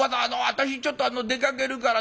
私ちょっと出かけるからね」。